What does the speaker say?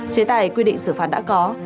chế tài quy định xử phán đã có